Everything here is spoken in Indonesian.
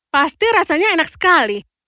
pasti rasanya enak sekali